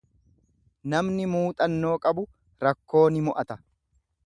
Namni muuxannoo qabu rakkoo ni mo'ata.